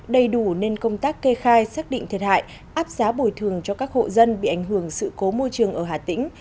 đầy đủ nên công tác kê khai xác định thiệt hại áp giá bồi thường cho các hộ dân bị ảnh hưởng sự cố môi trường ở hà tĩnh